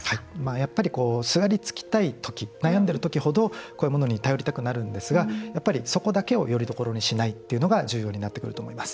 やっぱりすがりつきたい時悩んでいる時ほどこういうものに頼りたくなるんですがやっぱり、そこだけをよりどころにしないっていうのが重要になってくると思います。